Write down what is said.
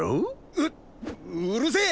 うっうるせえ！